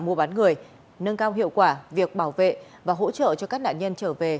mua bán người nâng cao hiệu quả việc bảo vệ và hỗ trợ cho các nạn nhân trở về